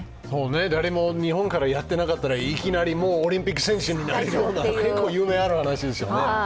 誰も日本からやっていなかったのが、いきなりオリンピック選手になれるっていうのは結構夢のある話ですよね。